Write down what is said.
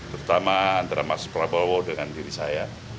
pertama antara mas suriapaloh dengan diri saya